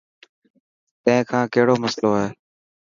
تين کان ڪهڙو مصلو هي.